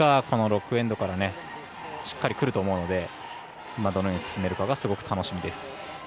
この６エンドからしっかりくると思うのでどのように進めるかがすごく楽しみです。